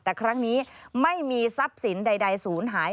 แต่ครั้งนี้ไม่มีทรัพย์สินใดศูนย์หาย